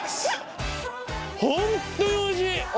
本当においしい！